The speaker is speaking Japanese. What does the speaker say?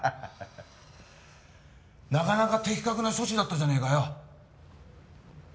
なかなか的確な処置だったじゃねえかよ